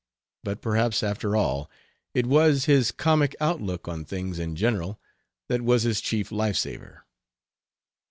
But perhaps, after all, it was his comic outlook on things in general that was his chief life saver.